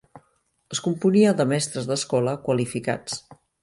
Es componia de mestres d'escola qualificats.